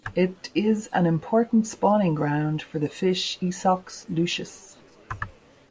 It is an important spawning ground for the fish "Esox lucius".